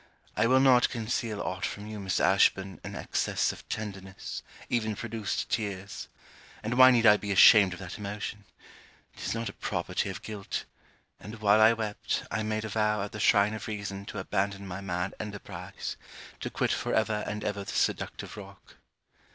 I will not conceal aught from you, Miss Ashburn, an excess of tenderness, even produced tears. And why need I be ashamed of that emotion? 'Tis not a property of guilt. And while I wept, I made a vow at the shrine of reason to abandon my mad enterprise, to quit for ever and ever this seductive rock.